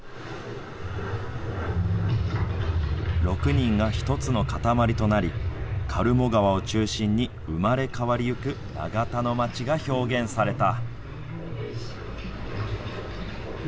６人が１つの固まりとなり、苅藻川を中心に生まれ変わりゆく長田の町が表現された。